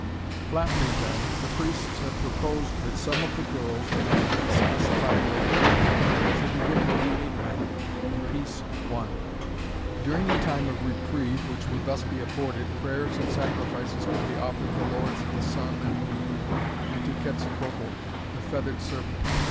Flatly then, the priests had proposed that some of the girls, the number to be specified later, should be given to the ape men, and peace won. During the time of reprieve which would thus be afforded, prayers and sacrifices could be offered the Lords of the Sun and Moon, and to Quetzalcoatl, the Feathered Serpent.